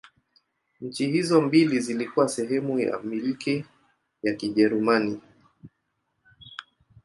Nchi hizo mbili zilikuwa sehemu ya Milki ya Kijerumani.